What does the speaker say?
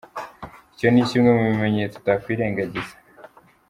Icyo ni kimwe mu bimenyetso utakwirengagiza.